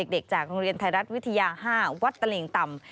เด็กจากโรงเรียนไทยรัฐวิทยา๕วัดตะเลงต่ำ